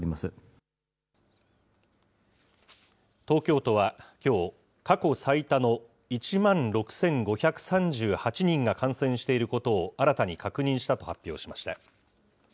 東京都は、きょう、過去最多の１万６５３８人が感染していることを新たに確認したと発表しました。